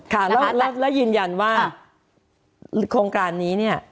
ค่ะแล้วยืนยันว่าโครงการนี้เนี่ย